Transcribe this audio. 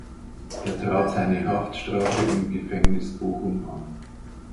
Er trat seine Haftstrafe im Gefängnis Bochum an.